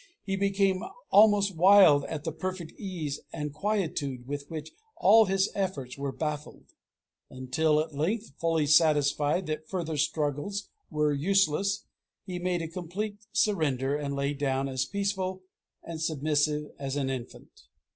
He became almost wild at the perfect ease and quietude with which all his efforts were baffled, until at length, fully satisfied that further struggles were useless, he made a complete surrender, and lay down as peaceful and submissive as an infant.